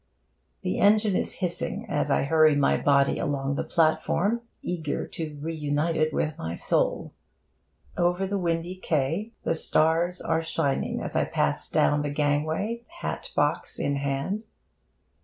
The engine is hissing as I hurry my body along the platform, eager to reunite it with my soul... Over the windy quay the stars are shining as I pass down the gangway, hat box in hand.